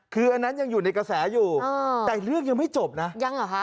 คืออันนั้นยังอยู่ในกระแสอยู่แต่เรื่องยังไม่จบนะยังเหรอคะ